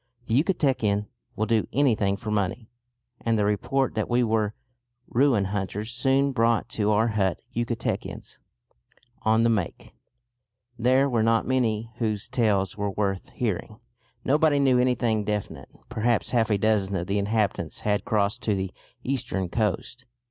The Yucatecan will do anything for money, and the report that we were ruin hunters soon brought to our hut Yucatecans "on the make." There were not many whose tales were worth hearing. Nobody knew anything definite; perhaps half a dozen of the inhabitants had crossed to the eastern coast.